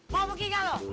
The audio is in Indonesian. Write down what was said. mau pergi gak lo